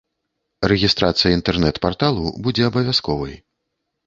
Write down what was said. Рэгістрацыя інтэрнэт-парталаў будзе абавязковай.